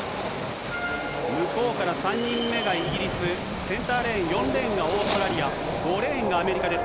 向こうから３人目がイギリス、センターレーン、４レーンがオーストラリア、５レーンがアメリカです。